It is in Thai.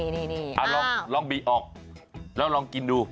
นี่ลองบีออกแล้วลองกินดู